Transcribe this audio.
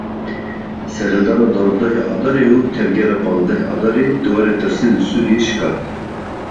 Serhildana duwazdehê Adarê û tevgera panzdehê Adarê dîwarê tirsê li Sûriyeyê şikand.